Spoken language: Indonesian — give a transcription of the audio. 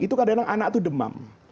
itu kadang kadang anak itu demam